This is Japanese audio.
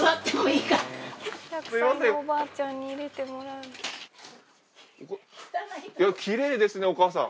いやきれいですねお母さん。